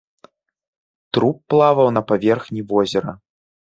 Труп плаваў на паверхні возера.